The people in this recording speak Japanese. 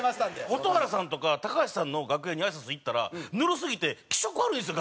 蛍原さんとか高橋さんの楽屋にあいさつ行ったらぬるすぎて気色悪いんですよ！